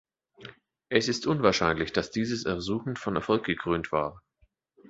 Es ist unwahrscheinlich, dass dieses Ersuchen von Erfolg gekrönt war.